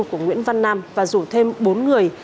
của nguyễn văn nam và rủ thêm bốn người